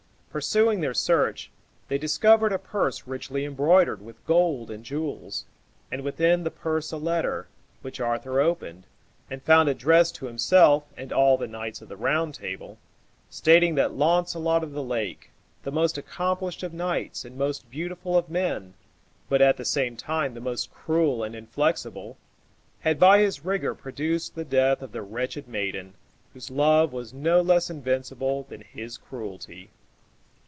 Pursuing their search, they discovered a purse richly embroidered with gold and jewels, and within the purse a letter, which Arthur opened, and found addressed to himself and all the knights of the Round Table, stating that Launcelot of the Lake, the most accomplished of knights and most beautiful of men, but at the same time the most cruel and inflexible, had by his rigor produced the death of the wretched maiden, whose love was no less invincible than his cruelty.